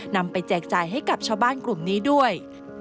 นำไปแจกจ่ายให้กับชาวบ้านกลุ่มนี้ด้วย